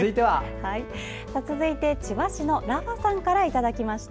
続いて千葉市のらふぁさんからいただきました。